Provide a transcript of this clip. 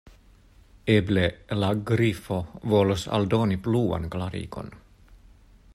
Eble la Grifo volos aldoni pluan klarigon.